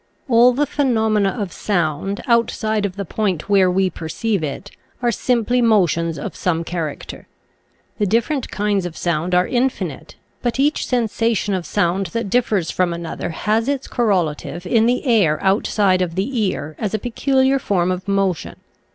All the phenomena of sound, outside of the point where we perceive it, are simply mo tions of some character. The different kinds of sound are infinite, but each sensation of sound that differs from another has its cor relative in the air outside of the ear as a peculiar form of motion.